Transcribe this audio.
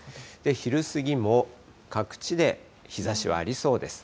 昼過ぎも各地で日ざしはありそうです。